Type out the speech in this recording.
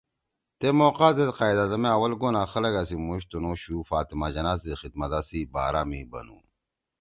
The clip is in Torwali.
تے موقع زید قائداعظم ئے آول گونا خلَگا سی مُوش تنُو شُو فاطمہ جناح سی خدمت دا سی بارا می بنُو!